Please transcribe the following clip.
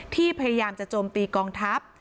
พยายามจะโจมตีกองทัพ